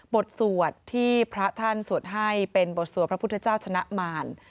บทสวดที่พระท่านสวดให้เป็นบทสวดพระพุทธเจ้าชนะมาร